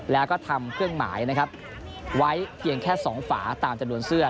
แล้วก็ทำเครื่องหมายนะครับไว้เพียงแค่๒ฝาตามจำนวนเสื้อ